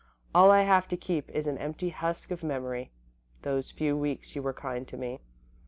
All I have to keep is an empty husk of memory those few weeks you were kind to me.